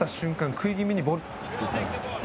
食い気味にボール！って言ったんですよ。